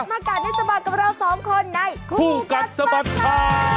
มาการได้สบายกับเราสองคนในคู่กับสะบัดค่ะ